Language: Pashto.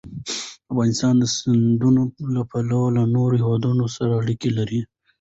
افغانستان د سیندونه له پلوه له نورو هېوادونو سره اړیکې لري.